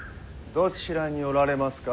どちらにおられますか？